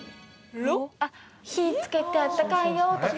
火つけてあったかいよとか？